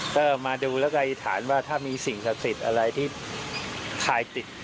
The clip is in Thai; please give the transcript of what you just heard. ก็มาดูแล้วก็อธิษฐานว่าถ้ามีสิ่งศักดิ์สิทธิ์อะไรที่ถ่ายติด